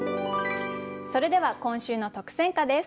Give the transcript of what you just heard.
それでは今週の特選歌です。